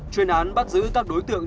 chuyên án bắt giữ các đối tượng